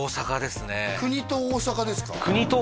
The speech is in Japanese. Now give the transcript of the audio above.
国と大阪ですか？